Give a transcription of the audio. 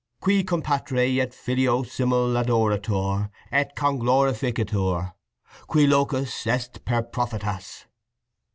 Qui cum Patre et Filio simul adoratur et conglorificatur. Qui locutus est per prophetas.